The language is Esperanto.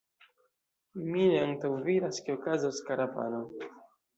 Mi ne antaŭvidas ke okazos karavano.